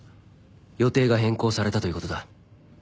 予定が変更されたということだ。